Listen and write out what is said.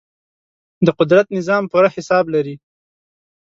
د قدرت نظام پوره حساب لري.